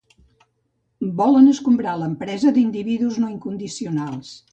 Volen escombrar l'empresa d'individus no incondicionals.